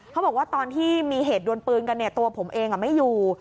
เขาบอกว่าตอนที่มีเหตุดวนปืนกันเนี่ยตัวผมเองไม่อยู่